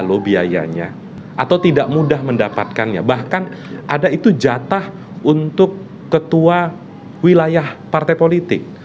atau tidak mudah mendapatkannya bahkan ada itu jatah untuk ketua wilayah partai politik